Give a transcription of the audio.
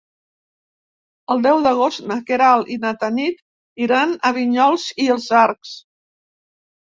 El deu d'agost na Queralt i na Tanit iran a Vinyols i els Arcs.